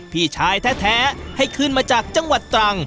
พี่ชายแท้ให้ขึ้นมาจากจังหวัดตรัง